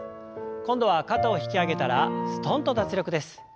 今度は肩を引き上げたらすとんと脱力です。